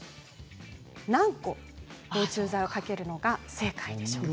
何個、防虫剤を掛けるのが正解でしょうか？